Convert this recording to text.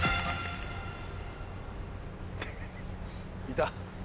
いた？